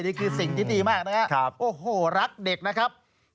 นี่คือสิ่งที่ดีมากนะครับโอ้โหรักเด็กนะครับ